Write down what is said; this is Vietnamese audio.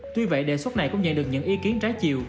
tuy vậy đề xuất này cũng nhận được những ý kiến trái chiều